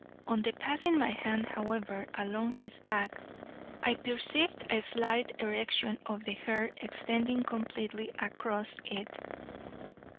On passing my hand, however, along his back, I perceived a slight erection of the hair extending completely across it.